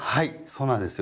そうなんですよ。